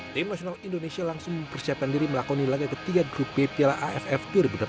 tim nasional indonesia langsung mempersiapkan diri melakoni laga ketiga grup b piala aff dua ribu delapan belas